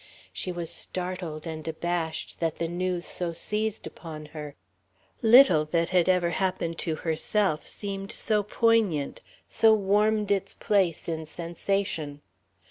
She was startled and abashed that the news so seized upon her. Little that had ever happened to herself seemed so poignant, so warmed its place in sensation.